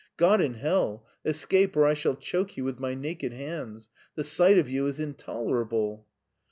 " God in hell, escape or I shall choke you with my naked hands ; the sight of you is intolerable."